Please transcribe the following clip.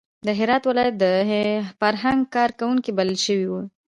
د هرات ولایت د فرهنګ کار کوونکي بلل شوي وو.